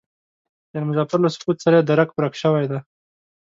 د آل مظفر له سقوط سره یې درک ورک شوی دی.